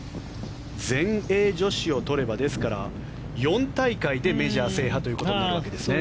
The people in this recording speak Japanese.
全英女子を取ればですから、４大会でメジャー制覇ということになるわけですね。